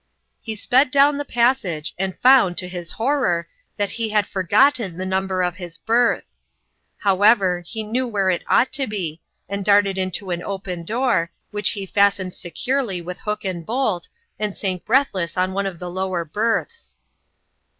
He sped down the passage, and found, to his horror, that he had forgotten the number of his berth. However, he knew where it ought to be, and darted into an open door, which he fastened securely with hook and bolt, and sank breathless on one of the lower berths.